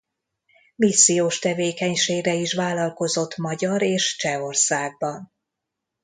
Missziós tevékenységre is vállalkozott Magyar- és Csehországban.